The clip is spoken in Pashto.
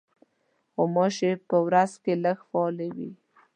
غوماشې په ورځ کې لږ فعالې وي.